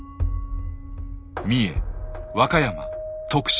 三重和歌山徳島